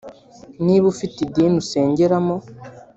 Niba ufite idini usengeramo